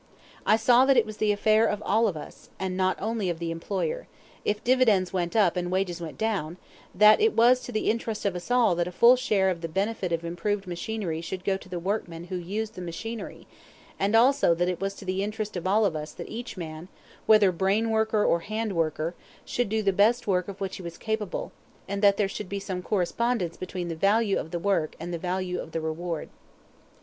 I saw that it was the affair of all of us, and not only of the employer, if dividends went up and wages went down; that it was to the interest of all of us that a full share of the benefit of improved machinery should go to the workman who used the machinery; and also that it was to the interest of all of us that each man, whether brain worker or hand worker, should do the best work of which he was capable, and that there should be some correspondence between the value of the work and the value of the reward.